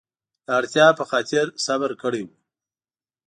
د اړتیا په خاطر صبر کړی و.